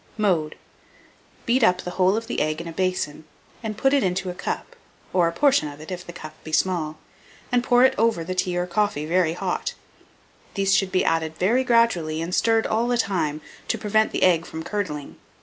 Mode. Beat up the whole of the egg in a basin, put it into a cup (or a portion of it, if the cup be small), and pour over it the tea or coffee very hot. These should be added very gradually, and stirred all the time, to prevent the egg from curdling.